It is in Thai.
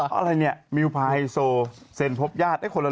ก็มีเนี้ยมีแต่อ้านนี้อ่ะอันนี้เธอละ